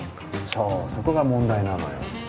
そうそこが問題なのよ。